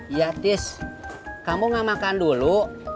ya tis kamu gak makan dulu